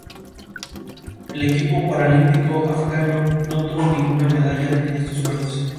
El equipo paralímpico afgano no obtuvo ninguna medalla en estos Juegos.